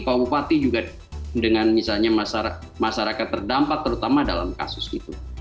pak bupati juga dengan misalnya masyarakat terdampak terutama dalam kasus itu